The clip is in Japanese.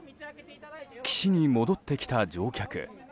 岸に戻ってきた乗客。